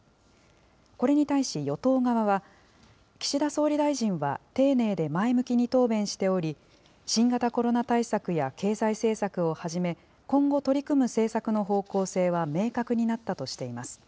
これに対し、与党側は、岸田総理大臣は丁寧で前向きに答弁しており、新型コロナ対策や経済政策をはじめ、今後取り組む政策の方向性は明確になったとしています。